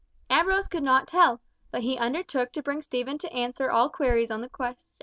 Ambrose could not tell, but he undertook to bring Stephen to answer all queries on the subject.